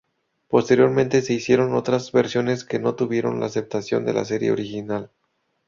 Posteriormente se hicieron otras versiones que no tuvieron la aceptación de la serie original.